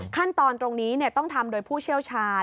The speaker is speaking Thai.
ขั้นตอนตรงนี้ต้องทำโดยผู้เชี่ยวชาญ